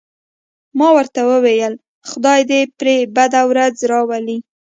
ما ورته وویل: خدای دې پرې بده ورځ راولي.